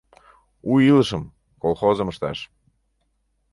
У илышым, колхозым ышташ.